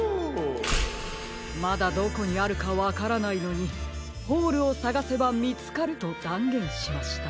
まだどこにあるかわからないのに「ホールをさがせばみつかる」とだんげんしました。